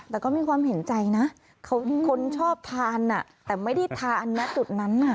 แต่ก็มีความเห็นใจนะคนชอบทานแต่ไม่ได้ทานนะจุดนั้นน่ะ